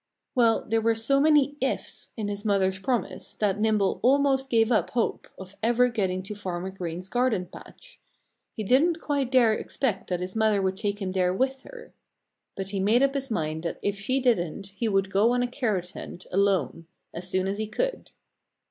Well, there were so many ifs in his mother's promise that Nimble almost gave up hope of ever getting to Farmer Green's garden patch. He didn't quite dare expect that his mother would take him there with her. But he made up his mind that if she didn't he would go on a carrot hunt alone as soon as he could.